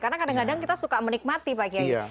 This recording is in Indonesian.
karena kadang kadang kita suka menikmati pak gia